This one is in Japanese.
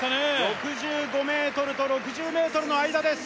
６５ｍと６０ｍの間です